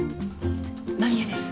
間宮です。